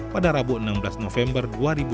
pada rabu enam belas november dua ribu dua puluh